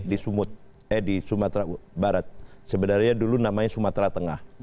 di sumut eh di sumatera barat sebenarnya dulu namanya sumatera tengah